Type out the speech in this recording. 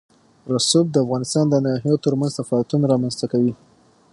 رسوب د افغانستان د ناحیو ترمنځ تفاوتونه رامنځ ته کوي.